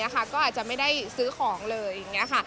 ก็อาจจะไม่ได้ซื้อของเลย